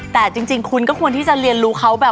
แต่จริงคุณก็ควรที่จะเรียนรู้เขาแบบ